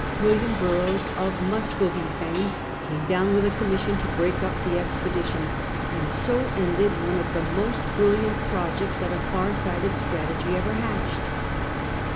William Boroughs, of Muscovy fame, came down with a commission to break up the expedition, and so ended one of the most brilliant projects that a far sighted strategy ever hatched.